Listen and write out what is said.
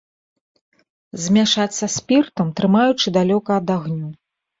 Змяшаць са спіртам, трымаючы далёка ад агню.